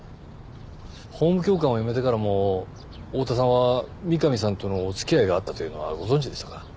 法務教官を辞めてからも大多さんは三上さんとのお付き合いがあったというのはご存じでしたか？